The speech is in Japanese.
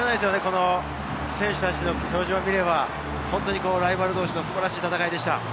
この選手たちの表情を見れば、ライバル同士の素晴らしい戦いでした。